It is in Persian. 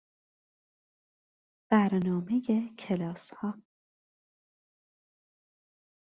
برنامهی کلاسها